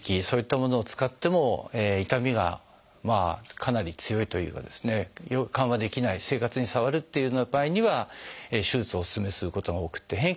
そういったものを使っても痛みがかなり強いというかですね緩和できない生活に障るというような場合には手術をお勧めすることが多くて。